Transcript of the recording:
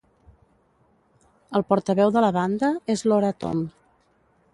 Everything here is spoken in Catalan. El portaveu de la banda és Lora Tom.